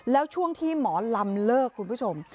แล้วช่วงที่หมอลำเลิกคุณผู้ชม